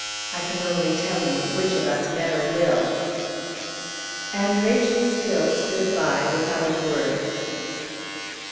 I can only tell you which of us never will!" And Rachel still stood by without a word.